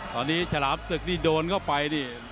ตอนนี้ฉลามศึกนี่โดนเข้าไปนี่